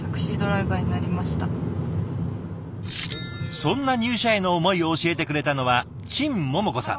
そんな入社への思いを教えてくれたのは陳桃子さん。